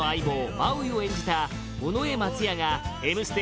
マウイを演じた尾上松也が「Ｍステ」